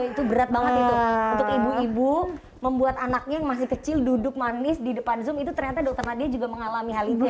itu berat banget itu untuk ibu ibu membuat anaknya yang masih kecil duduk manis di depan zoom itu ternyata dokter nadia juga mengalami hal itu ya